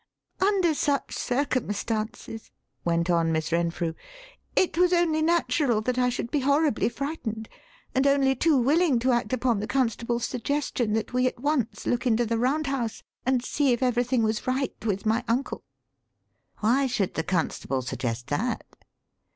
"Under such circumstances," went on Miss Renfrew, "it was only natural that I should be horribly frightened, and only too willing to act upon the constable's suggestion that we at once look into the Round House and see if everything was right with my uncle." "Why should the constable suggest that?"